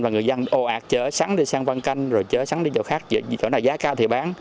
và người dân ồ ạt chở sắn đi sang văn canh rồi chở sắn đi chỗ khác chỗ nào giá cao thì bán